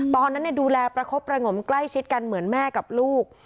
ตอนนั้นดูแลประคบประงมใกล้ชิดกันเหมือนแม่กับลูก